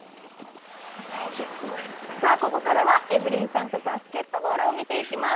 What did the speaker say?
ここからはエブリンさんとバスケットボールを見ていきます。